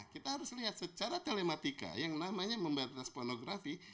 kita harus lihat secara telematika yang namanya membatas pornografi